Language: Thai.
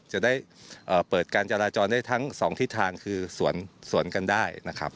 จะได้เปิดการจราจรได้ทั้งสองทิศทางคือสวนกันได้นะครับ